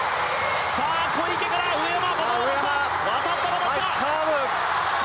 小池から上山、バトンが渡った！